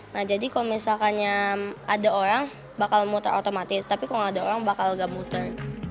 nah jadi kalau misalkannya ada orang bakal muter otomatis tapi kalau nggak ada orang bakal gak muter